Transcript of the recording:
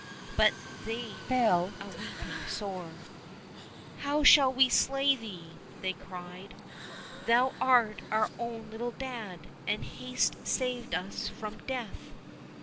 But they fell a weeping sore. *' How shall we slay thee !" they cried ;" thou art our own little dad, and hast saved us from death